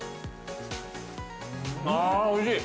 ◆あー、おいしい◆